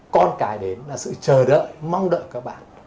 con cái đấy là sự chờ đợi mong đợi các bạn